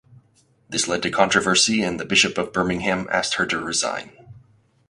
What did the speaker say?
This led to controversy and the Bishop of Birmingham asked her to resign.